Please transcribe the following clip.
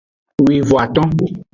Wivon-aton.